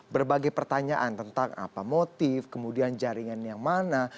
berbagai pertanyaan tentang apa motif kemudian jaringan yang mana